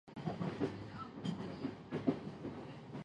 大人になるとゲームをする時間がない。